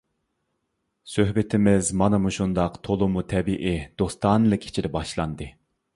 سۆھبىتىمىز مانا مۇشۇنداق تولىمۇ تەبىئىي دوستانىلىك ئىچىدە باشلاندى!